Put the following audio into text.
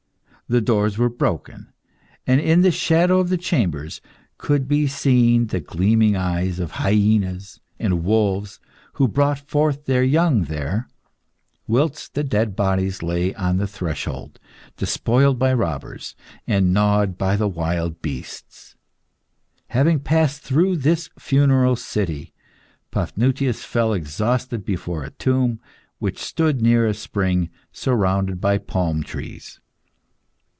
The doors were broken, and in the shadow of the chambers could be seen the gleaming eyes of hyaenas and wolves who brought forth their young there, whilst the dead bodies lay on the threshold, despoiled by robbers, and gnawed by the wild beasts. Having passed through this funeral city, Paphnutius fell exhausted before a tomb which stood near a spring surrounded by palm trees.